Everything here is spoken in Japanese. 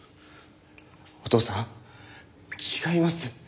お義父さん違います。